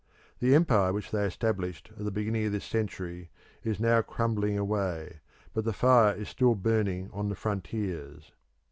The empire which they established at the beginning of this century is now crumbling away, but the fire is still burning on the frontiers.